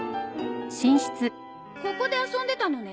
ここで遊んでたのね？